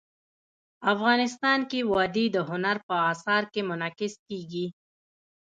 افغانستان کې وادي د هنر په اثار کې منعکس کېږي.